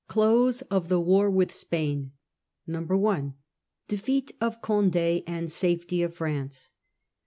CLOSE OF THE WAR WITH SPAIN. i. Defeat of Cond£ and Safety of France.